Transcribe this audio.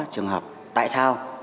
trường hợp tại sao